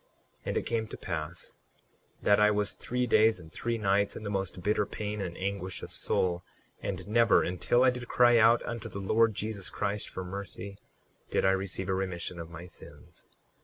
38:8 And it came to pass that I was three days and three nights in the most bitter pain and anguish of soul; and never, until I did cry out unto the Lord Jesus Christ for mercy, did I receive a remission of my sins.